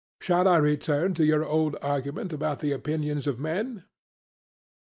Shall I return to your old argument about the opinions of men?